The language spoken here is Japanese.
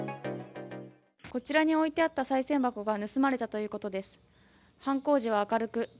こちらに置いてあったさい銭箱が盗まれたということです。